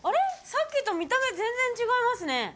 さっきと見た目全然違いますね